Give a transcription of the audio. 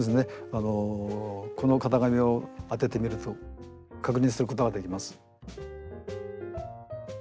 あのこの型紙を当ててみると確認することができます。